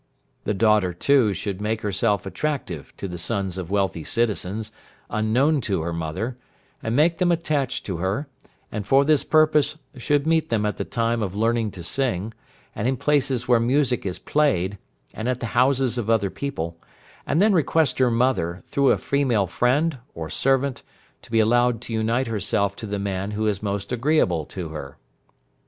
The daughter, too, should make herself attractive to the sons of wealthy citizens, unknown to her mother, and make them attached to her, and for this purpose should meet them at the time of learning to sing, and in places where music is played, and at the houses of other people, and then request her mother, through a female friend, or servant, to be allowed to unite herself to the man who is most agreeable to her.